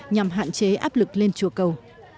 nhằm hạn chế áp lực lên chùa cầu